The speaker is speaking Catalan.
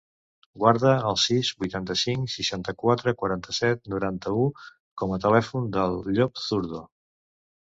Guarda el sis, vuitanta-cinc, seixanta-quatre, quaranta-set, noranta-u com a telèfon del Llop Zurdo.